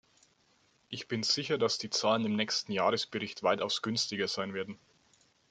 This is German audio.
Ich bin sicher, dass die Zahlen im nächsten Jahresbericht weitaus günstiger sein werden.